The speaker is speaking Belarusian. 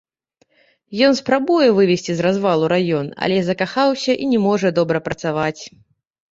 Ён спрабуе вывесці з развалу раён, але закахаўся і не можа добра працаваць.